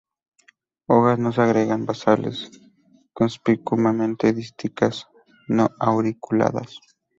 Hojas no se agregan basales; conspicuamente dísticas; no auriculadas.